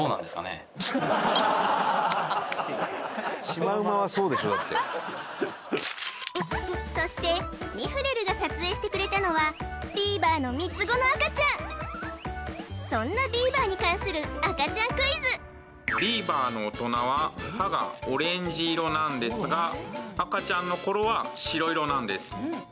シマウマはそうでしょだってそしてニフレルが撮影してくれたのはビーバーの３つ子の赤ちゃんそんなビーバーに関する赤ちゃんクイズビーバーの大人は歯がオレンジ色なんですが赤ちゃんの頃は白色なんです